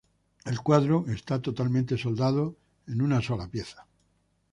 El cuadro está totalmente soldado en una sola pieza.